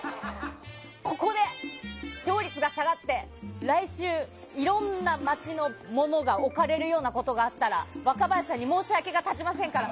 ここで視聴率が下がって来週いろんな街のものが置かれるようなことがあったら若林さんに申し訳が立ちませんから。